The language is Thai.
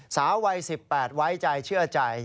สาววัย๑๘ไว้ใจเชื่อใจ